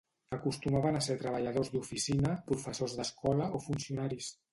Acostumaven a ser treballadors d'oficina, professors d'escola o funcionaris.